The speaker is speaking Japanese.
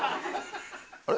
あれ？